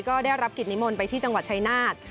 ก็ได้รับกิจนิมนต์ไปที่จังหวัดชายนาฏ